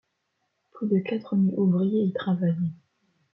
Plus de quatre mille ouvriers y travaillaient.